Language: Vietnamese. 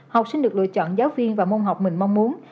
học sinh được lựa chọn giáo viên và môn học mình mong muốn